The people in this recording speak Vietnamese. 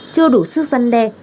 chưa đủ sức răn đe